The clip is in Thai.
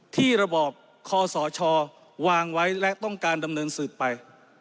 ระบอบคอสชวางไว้และต้องการดำเนินสืบไป